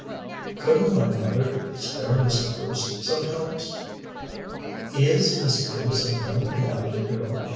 "Couldn't my mother spare Miss Bruce sometimes?" "Is Miss Bruce a young and lively girl?"